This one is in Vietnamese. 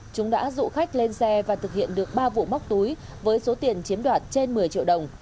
chúng đã rủ khách lên xe và thực hiện được ba vụ móc túi với số tiền chiếm đoạt trên một mươi triệu đồng